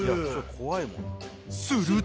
［すると］